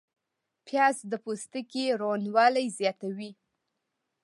پیاز د پوستکي روڼوالی زیاتوي